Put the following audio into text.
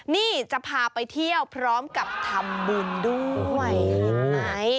นี่จะพาไปเที่ยวพร้อมกับทำบุญด้วย